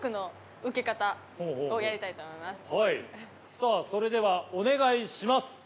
さぁそれではお願いします。